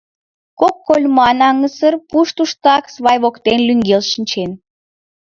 Кок кольман аҥысыр пуш туштак свай воктен лӱҥген шинчен.